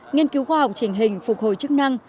nghiên cứu khoa học trình hình phục hồi chức năng